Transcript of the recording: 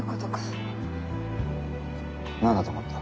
何だと思った？